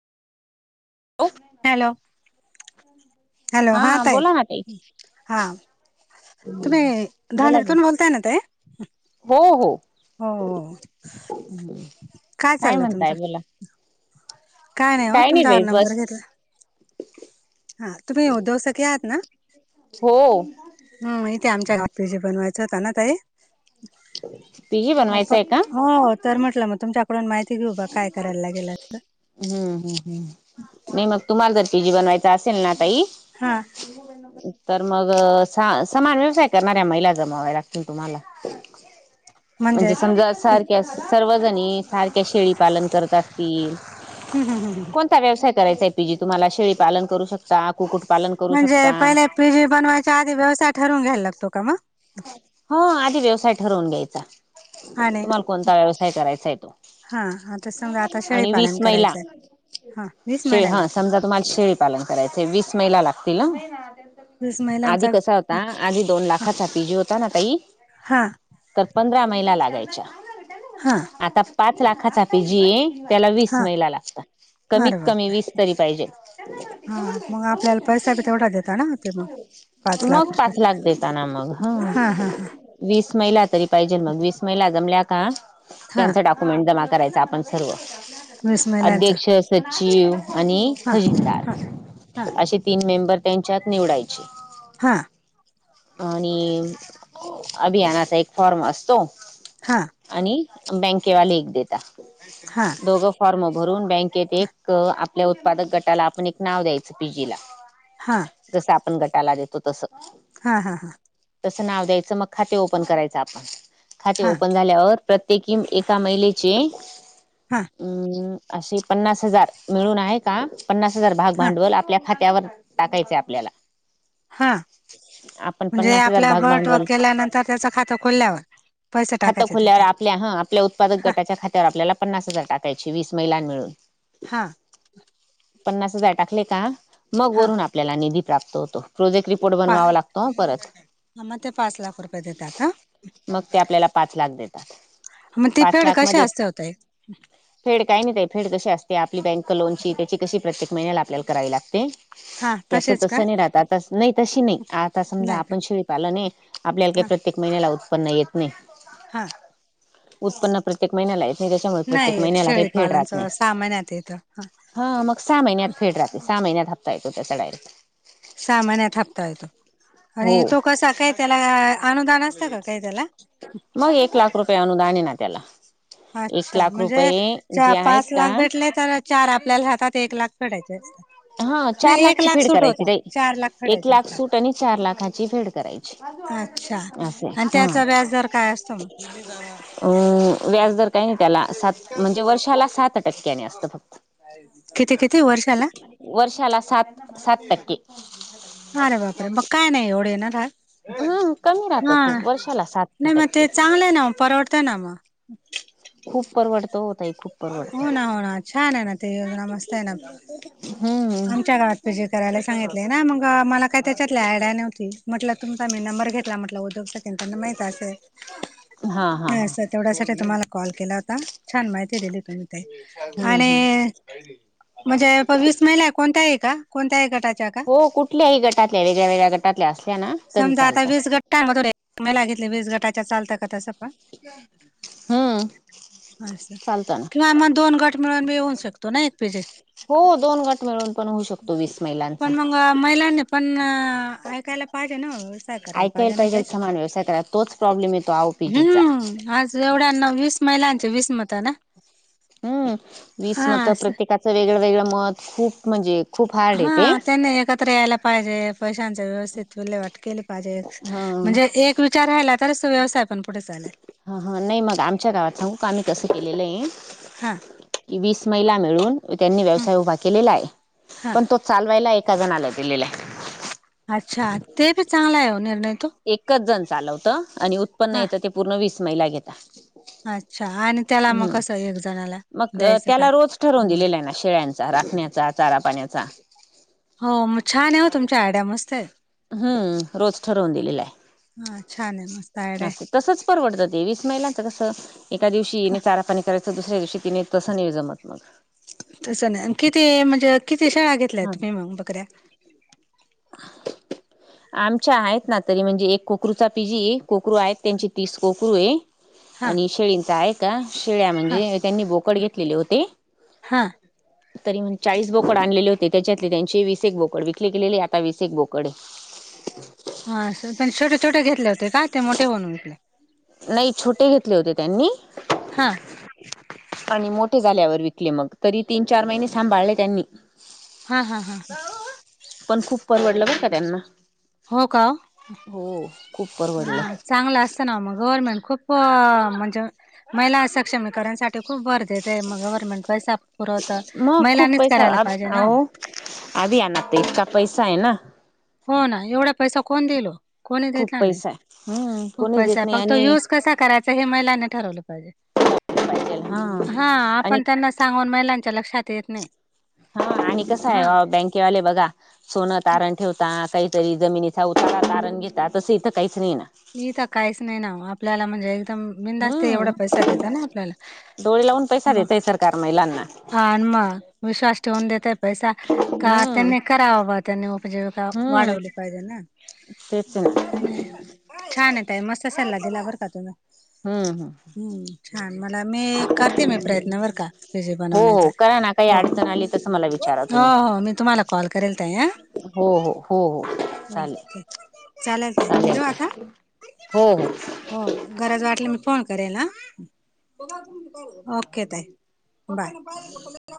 ओ hello, hello हा ताई हा तुम्ही बोला धांडरतुन बोल बोलताय ना ताई, हो हो हो हो, काय चाललंय तुमच? काही नाही बाई नंबर बस घेतला हा तुम्ही उद्धवसखी आहात ना, हो ह इथे आमच्या [unintelligible] पीजी हो पण बनवायचं आहे का हो तर म्हंटलं मग तुमच्या काढून माहिती घेऊ का काय करायला लागेल आता, हू हू हू, नही मग तुम्हाल जर पी जी बनवायच असेल ना ताई! हा तर मग सा-समान व्यवसाय करणाऱ्या महिला, जमवाव्या लागतील तुम्हाला. [inaudible] म्हणजे समजा हम्म सारख्या सर्वजणी, सारख्या शेळी पालन करत असतील हम्म हम्म कोण! ता व्यवसाय करायचा पि जी तुम्हाला, शेळी पालन करू शकता कुकूट म्हणजे पहिले पी जी बनवायच्या आधी व्यवसाय ठरवून घ्यायला लागतो का म! हो आधी व्यवसाय ठरवून घ्यायचा, हा नाही तुम्हाला कोणता व्यवसाय करायचा आहे तो! हा आता समजा आता आणि वीस शेळीपालन महिला करायचंय, हा वीस शेळी महिला हा लागतात. समजा तुम्हाला शेळीपालन करायचयं वीस महिला लागतील हं! वीस आधी महिलांचा कसा होता, आधी दोन हा लाखाचा होता ना ताई हा तर पंधरा महिला लागायच्या हा आता पाच लाखाचा पी जी हे त्याला वीस हा महिला लागतात. अरे कमीत कमी बापरे वीस तरी पाहिजे. हा मग आपल्याला पैसा बी तेवढा देताना ते म. मग पाच लाख देताना मग ह! हा हा हा! वीस महिला तरी पाहिजेलं मग वीस महिला जमल्या का हा त्याचं डाक्युमेंट जमा करायचं आपण सर्व वीस महिलांचा अध्यक्ष सचिव आणि हा हा हा खजिनदार असे तीन मेंबर त्यांच्यात निवडायचे. हां! नियम अभियानाचा एक फॉर्म असतो. हा! आणि बँकेवाले एक देता. हा! दोघं फॉर्म भरून बँकेत एक आपल्या उत्पादक गटाला आपण एक नाव द्यायचं पी जी ला. हां! जसं आपण गटाला देतो तसं. हा हा हा! तसं नाव द्यायचं मग खाते ओपन करायचं, आपण खाते हा ओपन झाल्यावर प्रत्येकी मं एका महिलेचे हा! अम अशे पन्नास हजार मिळून आहे का, पन्नास हजार भाग भांडवल आपल्या खात त्यावर टाकायचे आपल्याला हा आपण त्या म्हणजे आपल्या गट व केल्यानंतर त्याचं खातं खोलल्यावर. पैसे खातं टाकायचे खोलल्यावर त्याच्यात आपल्या ह आपल्या उत्पादक हा गटाच्या खात्यावर आपल्याला पन्नास हजार टाकायचे वीस महिलांन मिळून. हां! पन्नास हजार टाकले का, मग हा वरून आपल्याला निधी प्राप्त होतो प्रोजेक्ट री पोर्ट बनवावं लागतो अ परत. म ते पाच लाख रुपये देतात हं! मग ते आपल्याला पाच लाख देतात म ती पाच फेढ लाख कसी मध्ये असते ओ ताई. फेड काही नाही ताई फेड कशी असते आपली बँक लोनची त्याची कशी प्रत्येक महिन्याला आपल्याला करावी लागते. हा याच तसेच का तसं नाही राहत, आता नही तशी नही आता समजा नाही आप का शेळी पालन हे आपल्याला काही हा प्रत्येक महिन्याला उत्पन्न येत नाही. हा उत्पन्न प्रत्येक महिन्याला येत तसं नाही त्याच्यामुळे नाही प्रत्येक येत महिन्याला काही फेड राहत शेळीपालनचं नाही. सहा महिन्यात येतं हा मग सहा महिन्यात फेड राहते सहा महिन्यायात हप्ता येतो त्याचा डायरेक्ट. सहा महिन्यात हप्ता येतो हो आणि तो कसा काय त्याला अनुदान असतं का काय त्याला मग एक लाख रुपये आनुदान आहे ना त्याला एक अच्छा लाख म्हणजे रुपये चा जे आहेत पाच का लाख भेटले. तर चार आपल्याला हातात एक लाख फेडायचं असतं. हा चार लाखची फेड करायची नाही चार लाख एक फेडायचे लाख सूट असतात आणि चार लाखाची फेड करायची अच्छा अस अआहे आणि हा. त्याचा व्याज दर काय असतो मग अ व्याजदर काही नाही त्याला सात म्हणजे वर्षाला सात टक्क्याने असतं फक्त- किती किती वर्षाला- वर्षाला सात सात टक्के ह रे बाप रे मग काय नाही एवढे ना हम्म कमी [inaudible] राहत हा खूप वर्षाला सात नाही मग टक्के ते चांगलं आहे ना मग परवडतय ना मग. [unintelligible] खूप परवडतो हो ताई. खूप परवडत हो ना हो ना छान आहे ना ते योजना मस्त आहे ना हम्म आमच्या गावात पहिजे. करायला सांगितलेय ना मग मला काय त्याच्यातली आयडया नव्हती. म्हटलं तुमचा मी नंबर घेतला म्हटलं उद्योगसाठी त्यांना माहित असल हा हा नाय असंत. तेवढ्यासाठी तुम्हाला कॉल केला होता छान माहिती दिली तुम्ही ताई हम्म हम्म आणि- म्हणजे प वीस महिला कोणत्या आहे का कोणत्या आहे गटात. हो कुठल्याही गटातल्या वेगळ्या वेगळ्या गटातल्या असल्या ना तरी समजा आता चालतं वीस गटा [inaudible] महिला घेतली वीस गटाच्या चालत का तस पण- हम्म चालतं ना किंवा मग दोन गट- मिळून बी होऊ शकतो ना एक पेजे- हो दोन गट- मिळून पण होऊ शकोतो. पण मग महिलांनी पण ऐकायला पाहिजे ना व्यवसाय कराल ऐकायला पाहिजे ना ताई समान व्यवसाय करा तोच प्रॉब्लेम येतो आओपीजीचा हम्म आज- जेवढ्यांना वीस महिलांचे वीस मत ना? हम्म हा वीस मतं असं. प्रत्येकाचं वेगळं वेगळं मत खूप म्हणजे खूप हार्ड आहे ते. हा त्यांनी एकत्र यायला पाहिजे पैशांची व्यवस्थित विल्हेवाट केली पा- पाहिजे ह म्हणजे एक विचार राहिला तरच व्यवसाय पण पुढे चालेल. हा हा नाही मग आमच्या गावात सांगू का आम्ही कसं केलेलं आहे. हा- वीस महिला मिळून त्यांनी व्यवसाय उभा केलेला आहे हा. पण तो चालवायला एका जणला दिलेलं आहे. अच्छा ते बी चांगला आहे निर्णय तो एकच जण चालवतं आणि उत्पन्न हा येत ते पूर्ण वीस महिला घेता. अच्छा आणि त्याला मग हम्म कसं एक जणाला मग द्यायचं त्याला काय रोज ठरवून बर दिलेला आहे ना शेळ्यांचा राखण्याचा चा चारा पाण्याचा. हो मग छान आहे वो तुमची आयड्या मस्त आहे. हम्म रोज ठरवून दिलेला आहे. हा छान आहे मस्त आयडिया अस आहे तसचं परवडत ते वीस महिलांच कसं एका दिवशी मी चारा पाणी कराय च दुसऱ्या दिवशी तीने तस नि जमत मग तसं नाही अनं किती म्हणजे किती शेळ्या घेतल्या हा तुम्ही मग बकऱ्या आमच्या आहेत ना तरी म्हणजे एक कोकरूचा पीजी आहे एक कोकरू आहेत त्यांचे तीस कोकरू आहे. हा आणि शेळींचा आहे का शेळ्या हा म्हणजे त्यांनी बोकड घेतलेले होते. हा तरी म चाळीस बोकड आणलेले होते त्याच्यातले त्यांचे वीस एक बोकड विकले गेले आता वीस एक बोकडहे. हा पण छोटे छोटे घेतले होते काय ते मोठे बनू विकले. नाही छोटे घेतले होते त्यांनी. हा. आणि मोठे झाल्यावर विकले मग तरी तीन चार महिने सांभाळले त्यांनी. हा हा हा ह. पण खूप परवडलं बर का त्यांना हो. खूप परवडलं. हम्. चांगलं असतना मग गव्हर्नमेंट खूप म्हणजे महिला सक्षमीकरांसाठी खूप बर तेेथे मग गव्हर्नमेंट पैसा पुरवत मग खूप महिलांनीच पैसा करायला पाहिजे ना? अहो आधी आहे ना ते इतका पैसा आहे ना. हो ना एवढा पैसा कोण देईल ओ. खूप पैसा आहे. हम्म खुप कोणीच पैसा देत आहे, नाही फक्त तो आणि युज कसा करायचा हे महिलांनी ठरवलं पाहिजे. हा आणि आपण त्यांना सांगून महिलांच्या लक्षात येत नाही. हा आणि कसं हाय हा आ बँकेवाले बघा. सोनं तारण ठेवता, काहीतरी जमिनीचा उतारा तारण घेता, तसं इथं काहीच नाही ना. इथ काहीच नाही ना आपल्याला म्हणजे एकदम बिनधास्त एवढा हम्म. पैसा देत ना आपल्याला, डोळे लावून पैसा मग. देतय सरकार महिलांना [unintelligible] ह न मग विश्वास ठेवून देतय पैसा का हम्म. त्यांनी करावं बा त्यांनी उपजीविका हम्म वाढवली पाहिजे ना. तेच ना. छान आहे ताई मस्त सल्ला दिला बरं का तुम्ही. हम्. छान मला मी करते मी प्रयत्न बरं का पीजी हो बनवण्याचा हो करा ना काही हो. अडचण आली तसं मला विचारा हो तुम्ही. हो मी तुम्हाला कॉल करेल ताई हा. हो हो हो हो चालेल, ओके ताई चालेल ठेवू आता करा. हो हो. हो गरज वाटलं मी फोन करेल हा. ओके ताई बाय.